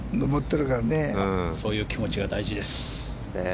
そういう気持ちが大事です。